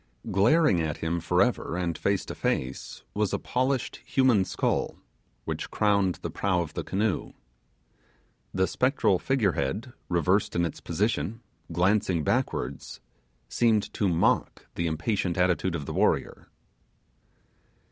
Glaring at him forever, and face to face, was a polished human skull, which crowned the prow of the canoe. The spectral figurehead, reversed in its position, glancing backwards, seemed to mock the impatient attitude of the warrior.